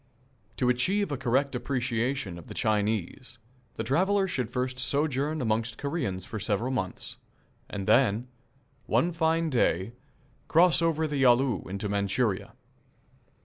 To achieve a correct appreciation of the Chinese the traveller should first sojourn amongst the Koreans for several months, and then, one fine day, cross over the Yalu into Manchuria.